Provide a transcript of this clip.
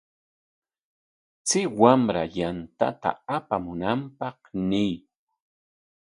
Chay wamra yantata apamunanpaq ñiy.